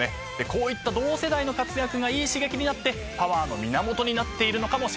こういった同世代の活躍がいい刺激になってパワーの源になっているのかもしれませんよね。